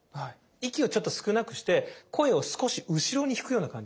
息をちょっと少なくして声を少し後ろに引くような感じ。